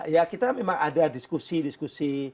ya kita memang ada diskusi diskusi